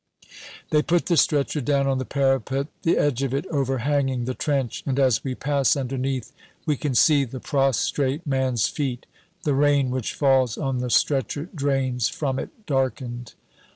They put the stretcher down on the parapet, the edge of it overhanging the trench, and as we pass underneath we can see the prostrate man's feet. The rain which falls on the stretcher drains from it darkened.